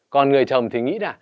còn người chồng thì nghĩ là